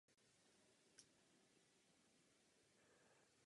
Lidé si ho pro jeho talent zamilovali.